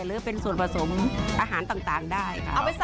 หรือเป็นส่วนผสมอาหารต่างได้ค่ะ